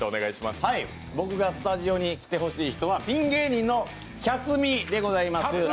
僕がスタジオに来てほしい人はピン芸人のキャツミです。